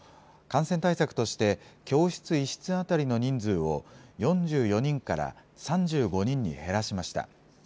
感染対策として、教室１室当たりの人数を、４４人から３５人に減らしました。